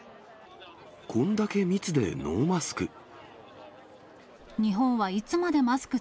こんだけ密で、ノーマスク。